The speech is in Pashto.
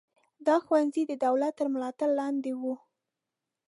دا ښوونځي د دولت تر ملاتړ لاندې وو.